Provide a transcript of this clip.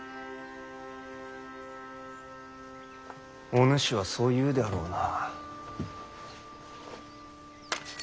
お主はそう言うであろうな。